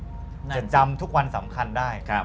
จะจำทุกวันสำคัญได้